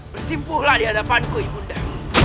bersimpuhlah di hadapanku ibu anda